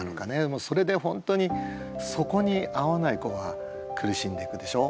もうそれで本当にそこに合わない子は苦しんでいくでしょ。